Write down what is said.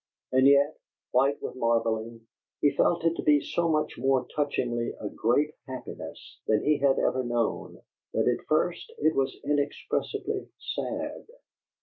And yet, white with marvelling, he felt it to be so much more touchingly a great happiness than he had ever known that at first it was inexpressibly sad.